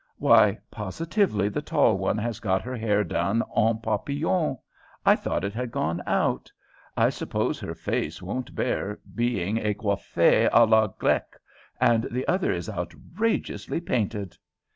"Why, positively the tall one has got her hair done en papillon I thought it had gone out I suppose her face won't bear being coiffé à la grècque; and the other is outrageously painted."